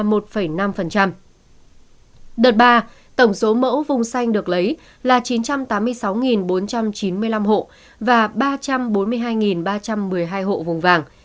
đợt ba tổng số mẫu vùng xanh được lấy là chín trăm tám mươi sáu bốn trăm chín mươi năm hộ và ba trăm bốn mươi hai ba trăm một mươi hai hộ vùng vàng